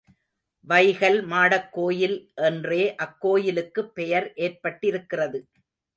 வைகல் மாடக் கோயில் என்றே அக்கோயிலுக்கு பெயர் ஏற்பட்டிருக்கிறது.